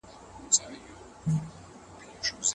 آیا ځوانان تر بوډاګانو ډېره انرژي لري؟